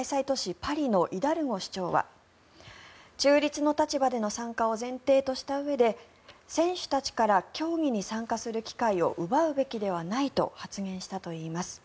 パリのイダルゴ市長は中立の立場での参加を前提としたうえで選手たちから競技に参加する機会を奪うべきではないと発言したといいます。